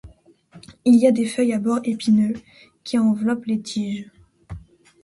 Il a des feuilles à bords épineux, qui enveloppent les tiges.